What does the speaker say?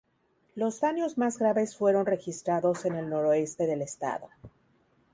Los daños más graves fueron registrados en el noroeste del estado.